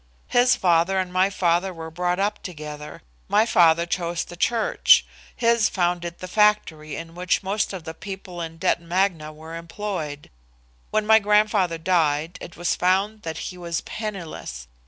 His father and my father were brought up together. My father chose the Church, his founded the factory in which most of the people in Detton Magna were employed. When my grandfather died, it was found that he was penniless.